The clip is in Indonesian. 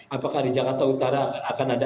apakah di jakarta utara akan ada